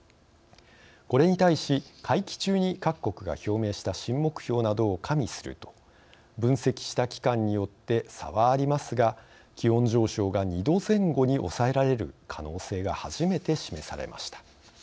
これに対し会期中に各国が表明した新目標などを加味すると分析した機関によって差はありますが気温上昇が２℃前後に抑えられる可能性が初めて示されました。